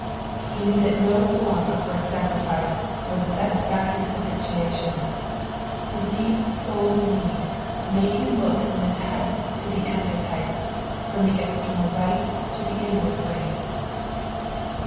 He knew that no form of burnt sacriflce was ti satisfactory propitiation. Hix deep eoul need made him look from the tjpe to the antitype, from the external rite tii the inward grace.